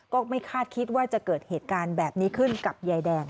ก็ไม่คาดคิดว่าจะเกิดเหตุการณ์แบบนี้ขึ้นกับยายแดง